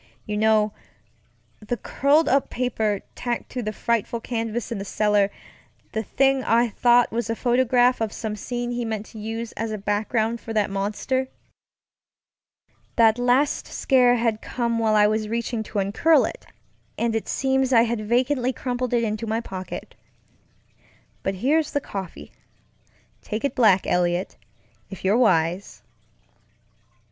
You know, the curled up paper tacked to that frightful canvas in the cellar; the thing I thought was a photograph of some scene he meant to use as a background for that monster. That last scare had come while I was reaching to uncurl it, and it seems I had vacantly crumpled it into my pocket. But here's the coffeeŌĆötake it black, Eliot, if you're wise.